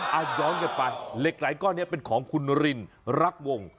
เอาย้อนกลับไปเหล็กไหลก้อนนี้เป็นของคุณรินรักวง